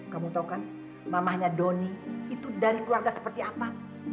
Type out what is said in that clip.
kamu tau kan mamahnya doni itu dari keluarga seperti apa